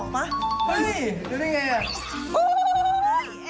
๒ป่ะเฮ้ยรู้ได้ยังไง